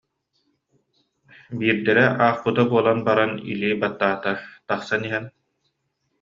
Биирдэрэ аахпыта буолан баран илии баттаата, тахсан иһэн: